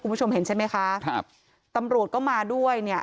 คุณผู้ชมเห็นใช่ไหมคะครับตำรวจก็มาด้วยเนี่ย